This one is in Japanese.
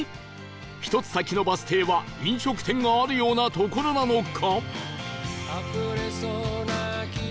１つ先のバス停は飲食店があるような所なのか？